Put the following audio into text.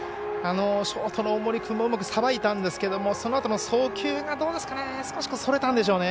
ショートの大森君もうまくさばいたんですけれどもそのあとの送球が少しそれたんでしょうね。